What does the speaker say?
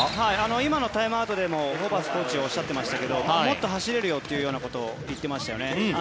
今のタイムアウトでもホーバスコーチがおっしゃっていましたけどもっと走れるよというようなことを言ってましたよね。